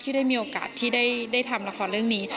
ได้มีโอกาสที่ได้ทำละครเรื่องนี้